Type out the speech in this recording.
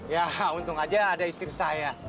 ya untung aja ada istri saya